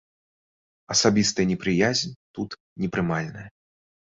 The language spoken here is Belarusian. Асабістая непрыязь тут непрымальная.